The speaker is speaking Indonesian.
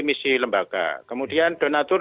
misi lembaga kemudian donator